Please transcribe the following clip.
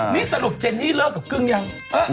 นี่สรุปเจนนี่เลิกกับกึ้งยัง